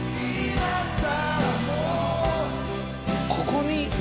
ここに。